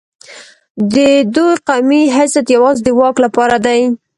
د دوی قومي حسد یوازې د واک لپاره دی.